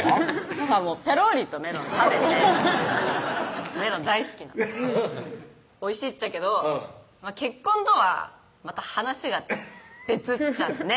母もペロリとメロン食べてメロン大好きなんでうん「おいしいっちゃけど結婚とはまた話が別っちゃね」